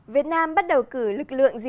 việt nam sẽ trở nên các cơ hội